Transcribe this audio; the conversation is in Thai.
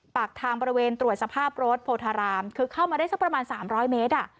ปากทางบริเวณตรวจสภาพรถโพธารามคือเข้ามาได้สักประมาณ๓๐๐เมตร